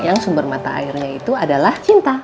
yang sumber mata airnya itu adalah cinta